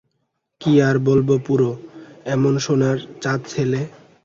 কী আর বলব পুরো, এমন সোনার চাঁদ ছেলে!